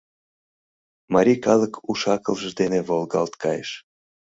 Марий калык уш-акылже дене волгалт кайыш.